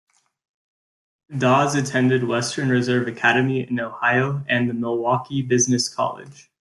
Dawes attended Western Reserve Academy in Ohio and The Milwaukee Business College.